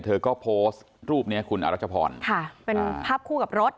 เธอก็โพสต์รูปเนี้ยคุณอรัชพรค่ะเป็นภาพคู่กับรถ